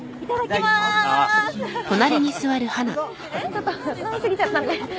ちょっと飲み過ぎちゃったんで。